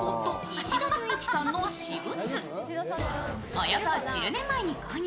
およそ１０年前に購入。